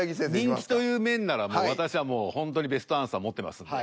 人気という面なら私はもうほんとにベストアンサー持ってますので。